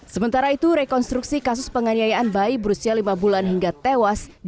sementara itu rekonstruksi kasus penganiayaan bayi berusia lima bulan hingga tewas